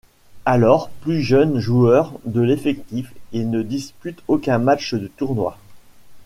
Alors plus jeune joueur de l'effectif, il ne dispute aucun match du tournoi.